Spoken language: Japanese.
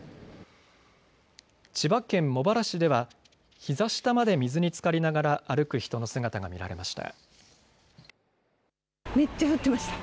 千葉県茂原市ではひざ下まで水につかりながら歩く人の姿が見られました。